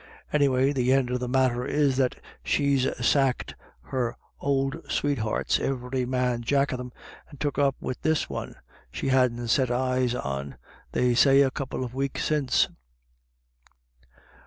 Any way, the end of the matter is that she's sacked her ould sweethearts, ivery man jack of them, and took up wid this one, she hadn't set eyes on, they say, a couple of weeks since."